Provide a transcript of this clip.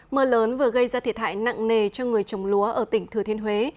mưa lớn vừa gây ra thiệt hại nặng nề cho người trồng lúa ở tỉnh thừa thiên huế